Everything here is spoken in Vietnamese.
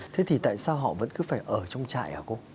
thế thì tại sao họ vẫn cứ phải ở trong trại hả cô